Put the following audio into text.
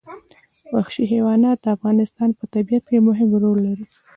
وحشي حیوانات د افغانستان په طبیعت کې مهم رول لري.